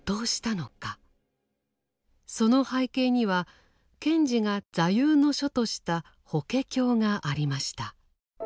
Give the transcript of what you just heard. その背景には賢治が座右の書とした「法華経」がありました。